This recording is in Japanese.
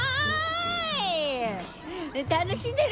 楽しんでる？